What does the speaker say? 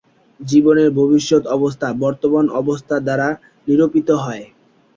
জীবনের ভবিষ্যৎ অবস্থা বর্তমান অবস্থা দ্বারা নিরূপিত হয়।